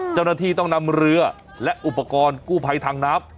เจ้าหน้าที่ต้องนำเรือและอุปกรณ์กู้ภัยทางน้ำ